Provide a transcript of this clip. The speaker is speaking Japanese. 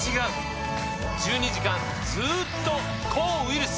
１２時間ずっと抗ウイルス！